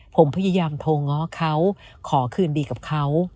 ผมพยายามโทรง้อเขาขอคืนดีกับเขา